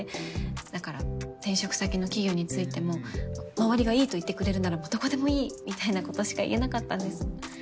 だから転職先の企業についても周りがいいと言ってくれるならもうどこでもいいみたいなことしか言えなかったんです。